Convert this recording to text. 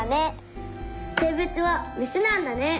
「せいべつはメスなんだね」。